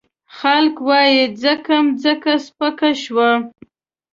خلګ وايي ځکه مځکه سپکه شوه.